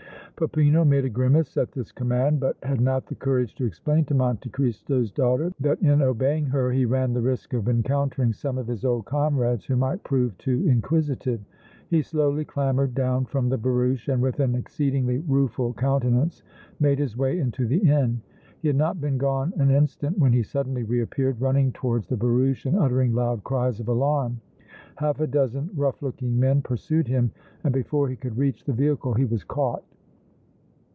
Peppino made a grimace at this command, but had not the courage to explain to Monte Cristo's daughter that in obeying her he ran the risk of encountering some of his old comrades who might prove too inquisitive. He slowly clambered down from the barouche and with an exceedingly rueful countenance made his way into the inn. He had not been gone an instant when he suddenly reappeared, running towards the barouche and uttering loud cries of alarm. Half a dozen rough looking men pursued him and before he could reach the vehicle he was caught.